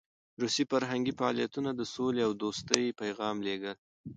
روسي فرهنګي فعالیتونه د سولې او دوستۍ پیغام لېږل.